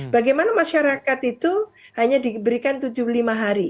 bagaimana masyarakat itu hanya diberikan tujuh puluh lima hari